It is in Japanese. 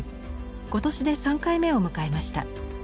今年で３回目を迎えました。